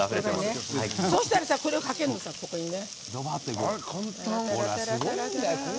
そうしたらこれをかけるのさ、ここにね。